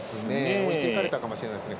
置いていかれたかもしれないですね。